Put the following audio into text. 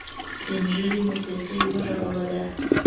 سپین ږيري موسيقي وغږوله.